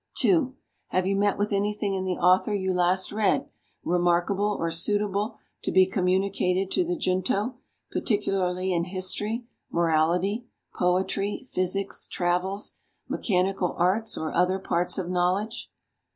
2. Have you met with anything in the author you last read, remarkable, or suitable to be communicated to the Junto; particularly in history, morality, poetry, physics, travels, mechanical arts, or other parts of knowledge?